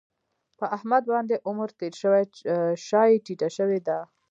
په احمد باندې عمر تېر شوی شا یې ټیټه شوې ده.